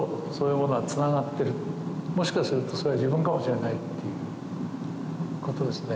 もしかするとそれは自分かもしれないっていうことですね。